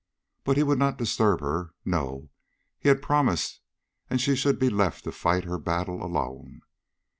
But he would not disturb her; no, he had promised, and she should be left to fight her battle alone.